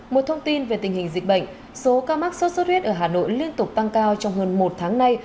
một thông tin về tình hình dịch bệnh số ca mắc sốt xuất huyết ở hà nội liên tục tăng cao trong hơn một tháng nay